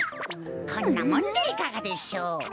こんなもんでいかがでしょう？